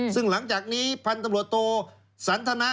ซึ่งหลังจากนี้ภรรณตำรวจโทษศาลธนะ